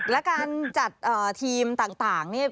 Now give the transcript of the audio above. และการจัดทีมต่างนี่